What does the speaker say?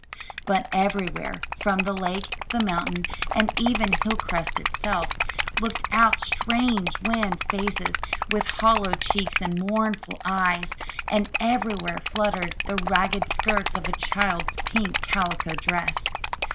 But everywhere, from the lake, the mountain, and even from Hilcrest itself, looked out strange wan faces with hollow cheeks and mournful eyes; and everywhere fluttered the ragged skirts of a child's pink calico dress.